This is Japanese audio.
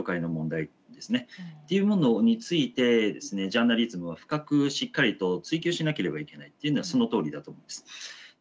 ジャーナリズムは深くしっかりと追及しなければいけないというのはそのとおりだと思います。